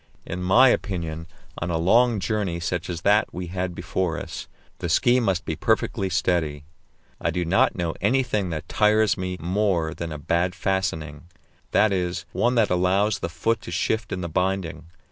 In my opinion, on a long journey such as that we had before us, the ski must be perfectly steady. I do not know anything that tires me more than a bad fastening that is, one that allows the foot to shift in the binding.